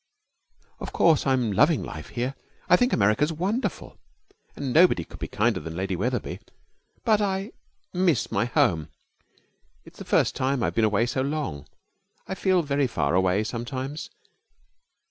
'Of course, I am loving the life here. I think America's wonderful, and nobody could be kinder than Lady Wetherby. But I miss my home. It's the first time I have been away for so long. I feel very far away sometimes.